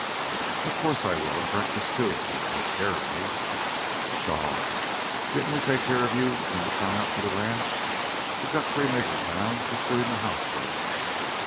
"Of course I will, and breakfast, too, if you can take care of me." "Pshaw! Didn't we take keer of you when you come to the ranch? We got three niggers now, just doin' the housework."